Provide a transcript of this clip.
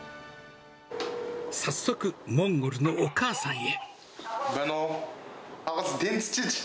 早速、モンゴルのお母さんへ。